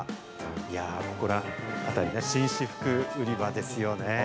いやぁ、ここら辺りね、紳士服売り場ですよね。